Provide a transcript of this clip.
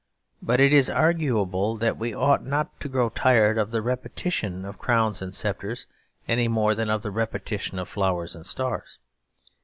But it is arguable that we ought not to grow tired of the repetition of crowns and sceptres, any more than of the repetition of flowers and stars.